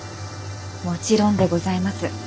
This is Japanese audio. もちろんでございます。